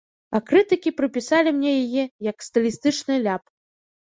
А крытыкі прыпісалі мне яе як стылістычны ляп.